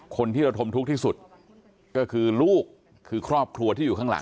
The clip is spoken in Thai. คนที่ระทมทุกข์ที่สุดก็คือลูกคือครอบครัวที่อยู่ข้างหลัง